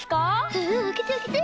うんうんあけてあけて！